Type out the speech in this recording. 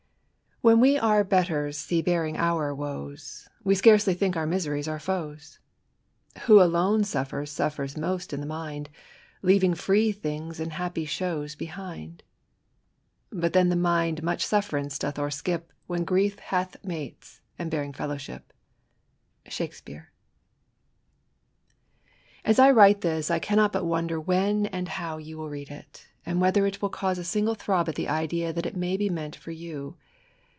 * When we our betters see bearing our woes, We scarcely think our miseries our foes ; Who alone suffers suffers most i* the mind. Leaving free things and happy shows behind. But then the mind much sufferance doth o'erskip. When grief hath mates, and bearing fellowship.*' SBAKsrKRK . As I write this, I cannot but wonder when and how you will read it, and whether it. will cause a single throb at the idea that it may be meant for you.